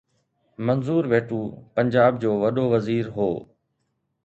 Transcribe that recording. منظور ويٽو پنجاب جو وڏو وزير هو.